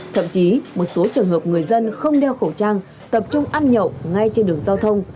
thậm chí một số trường hợp người dân không đeo khẩu trang tập trung ăn nhậu ngay trên đường giao thông